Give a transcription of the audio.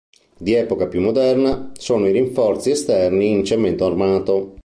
Di epoca più moderna sono i rinforzi esterni in cemento armato.